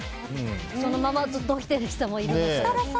そのままずっと起きてる人もいるから。